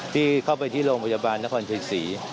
ที่เข้าไปที่โรงพยาบาลนครชัยศรี